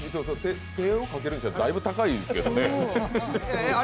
手をかけるにしては、だいぶ高いですけどね。